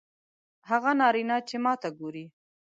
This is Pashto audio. هغه نارینه چې ماته ګوري